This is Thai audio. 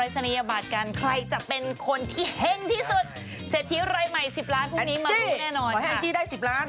ส่วนพรุ่งนี้ค่ะลุ้นกันนะคะ๑๐ล้านบาทจับรายสนิยบาทกัน